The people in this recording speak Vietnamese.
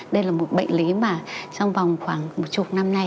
đây là một bệnh lý mà trong vòng khoảng một chục năm nay